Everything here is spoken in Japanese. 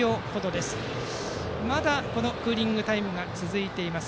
まだクーリングタイムが続いています。